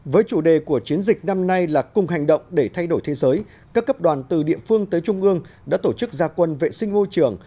với chủ đề của chiến dịch năm nay là cùng hành động để thay đổi thế giới các cấp đoàn từ địa phương tới trung ương đã tổ chức gia quân vệ sinh môi trường